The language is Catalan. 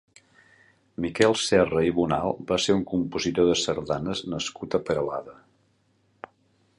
Miquel Serra i Bonal va ser un compositor de sardanes nascut a Peralada.